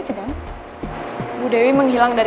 kayaknya ada yang di jari